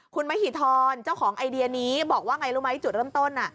คุณมหิธรเจ้าของไอเดียนี้บอกว่าไงรู้ไหมจุดเริ่มต้น